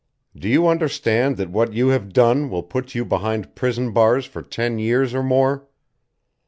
"Do you understand that what you have done will put you behind prison bars for ten years or more?